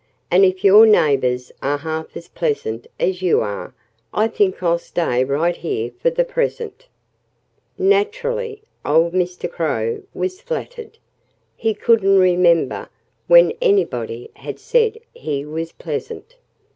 "And if your neighbors are half as pleasant as you are, I think I'll stay right here for the present." Naturally, old Mr. Crow was flattered. He couldn't remember when anybody had said he was pleasant.